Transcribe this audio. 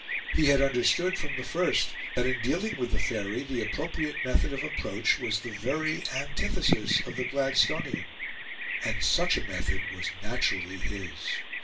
He had understood from the first that in dealing with the Faery the appropriate method of approach was the very antithesis of the Gladstonian; and such a method was naturally his.